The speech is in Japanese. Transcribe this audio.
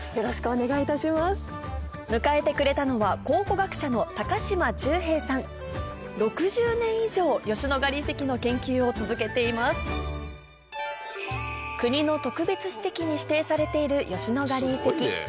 迎えてくれたのは６０年以上吉野ヶ里遺跡の研究を続けています国の特別史跡に指定されている吉野ヶ里遺跡